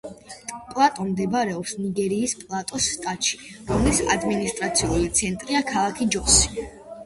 პლატო მდებარეობს ნიგერიის პლატოს შტატში, რომლის ადმინისტრაციული ცენტრია ქალაქი ჯოსი.